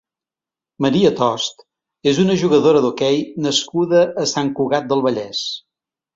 Maria Tost és una jugadora d'hoquei nascuda a Sant Cugat del Vallès.